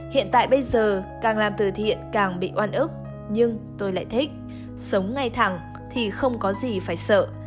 hiện tại bây giờ càng làm từ thiện càng bị oan ức nhưng tôi lại thích sống ngay thẳng thì không có gì phải sợ